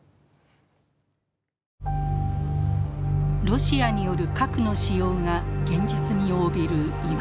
ロシアによる核の使用が現実味を帯びる今。